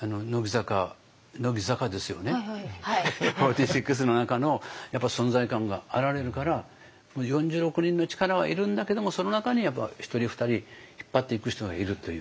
４６の中のやっぱ存在感があられるから４６人の力はいるんだけどもその中にやっぱ１人２人引っ張っていく人がいるという。